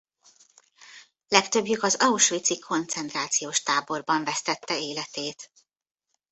Legtöbbjük az auschwitzi koncentrációs táborban vesztette életét.